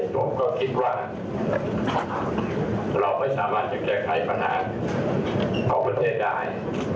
ผมก็คิดว่าเราไม่สามารถจะแก้ไขปัญหาของประเทศได้